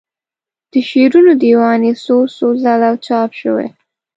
د شعرونو دیوان یې څو څو ځله چاپ شوی.